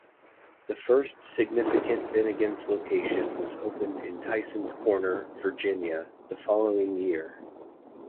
The first significant Bennigan's location was opened in Tysons Corner, Virginia, the following year.